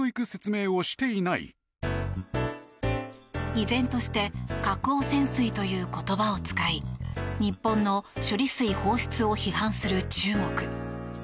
依然として核汚染水という言葉を使い日本の処理水放出を批判する中国。